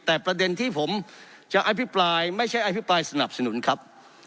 แต่ประเด็นที่ผมจะอภิปรายไม่ใช่อภิปรายสนับสนุนครับ